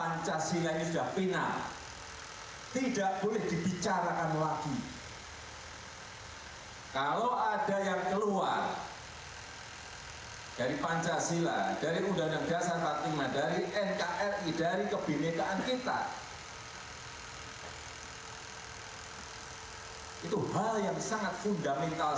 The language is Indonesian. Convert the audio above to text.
negara pancasila ini sudah final